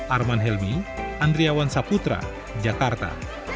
arman helmi andriawan saputra jakarta